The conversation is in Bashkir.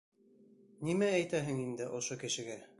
Нимә әйтәһең инде ошо кешегә?